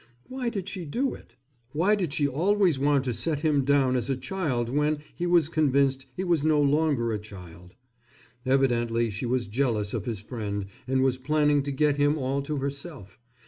Why did she do it? Why did she always want to set him down as a child when, he was convinced, he was no longer a child? Evidently she was jealous of his friend and was planning to get him all to herself.